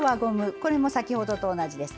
これも先ほどと同じです。